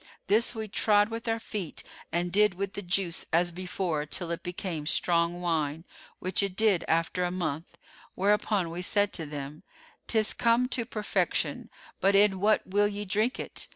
This we trod with our feet and did with the juice as before till it became strong wine, which it did after a month; whereupon we said to them, 'Tis come to perfection; but in what will ye drink it?